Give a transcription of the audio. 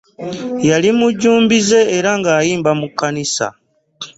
Yali mujjumbize era ng'ayimba mu kkanisa.